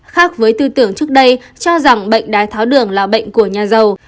khác với tư tưởng trước đây cho rằng bệnh đái tháo đường là bệnh của nhà giàu